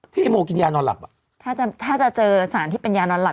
พี่ไอโมกินยานอนหลับถ้าจะเจอสารที่เป็นยานอนหลับ